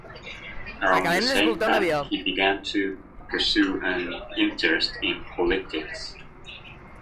Around the same time, he began to pursue an interest in politics.